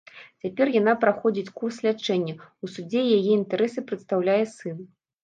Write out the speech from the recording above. Цяпер яна праходзіць курс лячэння, у судзе яе інтарэсы прадстаўляе сын.